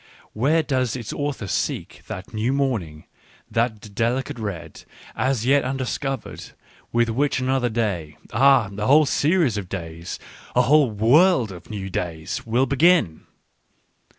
Where does its author seek that new morning, that delicate red, as yet undiscovered, with which another day — ah ! a whole series of days, a whole world of new days !— will begin?